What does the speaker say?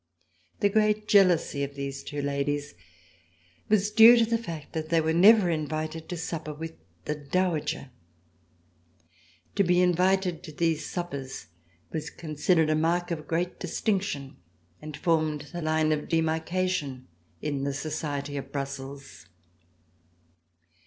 The great jealousy of these two ladies was due to the fact that they were never invited to supper with the "Dowager." To be invited to these suppers was considered a mark of great distinction and formed the line of demarcation in the society of Brussels.